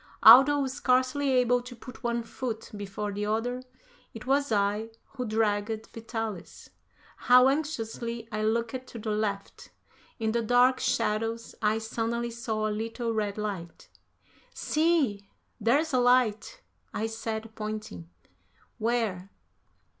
Although scarcely able to put one foot before the other, it was I who dragged Vitalis. How anxiously I looked to the left! In the dark shadows I suddenly saw a little red light. "See, there's a light," I said, pointing. "Where?"